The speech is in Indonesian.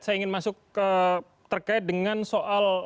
saya ingin masuk terkait dengan soal